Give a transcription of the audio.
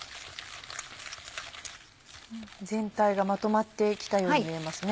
全体がまとまってきたように見えますね。